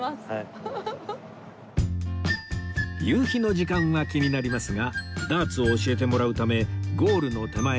夕日の時間は気になりますがダーツを教えてもらうためゴールの手前